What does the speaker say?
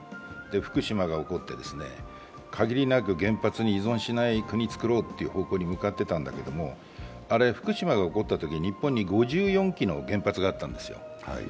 福島が起こって、限りなく原発に依存しない国をつくろうと方向に向かってたんだけれども、福島が起こったときに日本に５４基の原発があったんですよ。